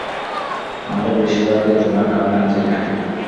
আমাদের বেশিরভাগই তোমার কারণেই আজ এখানে।